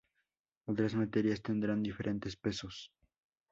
Otras materias tendrán diferentes pesos.